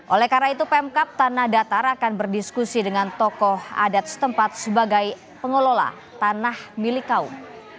oleh karena itu pemkap tanah datar akan berdiskusi dengan tokoh adat setempat sebagai pengelola tanah milik kaum